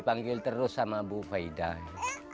dipanggil terus sama bu faidai